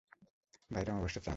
বাইরে অমাবস্যার চাঁদ।